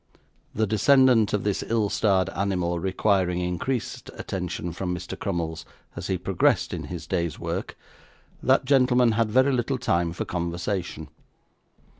The descendant of this ill starred animal requiring increased attention from Mr. Crummles as he progressed in his day's work, that gentleman had very little time for conversation.